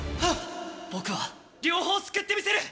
僕は両方救ってみせる！